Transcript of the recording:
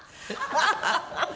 ハハハハ。